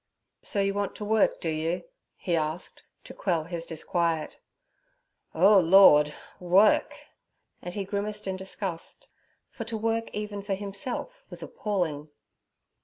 'So you want to work, do you?' he asked, to quell his disquiet. 'Oh Lord! work!' and he grimaced in disgust, for to work even for himself was appalling.